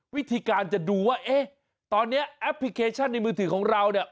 วิธีการจะดูว่าเอ๊ะตอนนี้แอปพลิเคชันในมือถือของเราเนี่ย